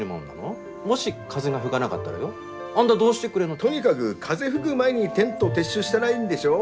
もし風が吹がながったらよあんだどうしてくれんの。とにかぐ風吹ぐ前にテント撤収したらいいんでしょ？